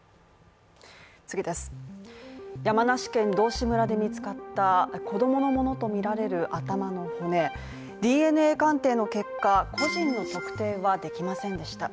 山梨県道志村で見つかった子どものものとみられる頭の骨、ＤＮＡ鑑定の結果、個人の特定はできませんでした。